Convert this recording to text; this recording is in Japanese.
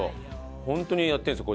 ホントにやってるんですよ。